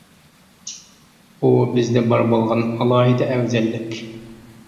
بۇ بىزدە بار بولغان ئالاھىدە ئەۋزەللىك.